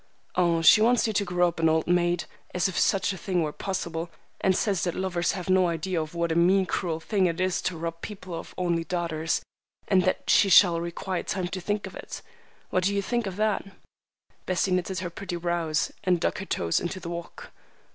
"Oh, she wants you to grow up an old maid—as if such a thing were possible!—and says that lovers have no idea of what a mean, cruel thing it is to rob people of only daughters; and that she shall require time to think of it. What do you think of that?" Bessie knitted her pretty brows, and dug her toes into the walk.